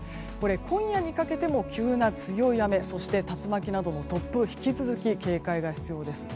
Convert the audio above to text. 今夜にかけても急な強い雨そして竜巻などの突風に引き続き警戒が必要です。